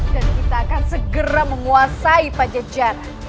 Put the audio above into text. dan kita akan segera menguasai panjajaran